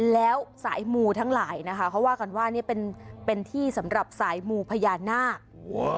แล้วสายมูทั้งหลายนะคะเขาว่ากันว่านี่เป็นเป็นที่สำหรับสายมูพญานาค